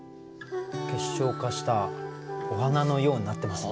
結晶化したお花のようになってますね。